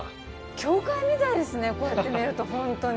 教会みたいですねこうやって見ると本当に。